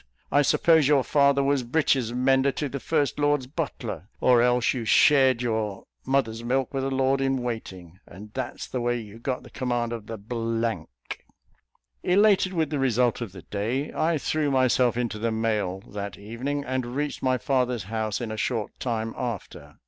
I suppose your father was breeches mender to the first lord's butler, or else you shared your mother's milk with a lord in waiting, and that's the way you got the command of the ." Elated with the result of the day, I threw myself into the mail that evening, and reached my father's house in a short time after.